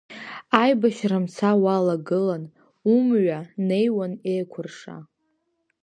Аибашьра мца уалагылан, умҩа неиуан еикәырша.